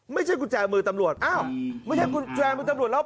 ไม่ใช่กุญแจมือตำรวจอ้าวไม่ใช่กุญแจมือตำรวจแล้ว